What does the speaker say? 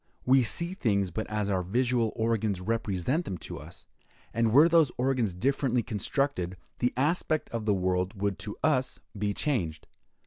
We see things but as our visual organs represent them to us; and were those organs differently constructed, the aspect of the world would to us be changed.